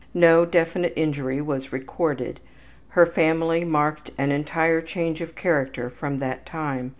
No definite injury was recorded. Her family marked an entire change of character from that time.